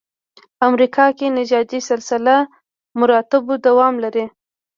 امریکا کې نژادي سلسله مراتبو دوام لري.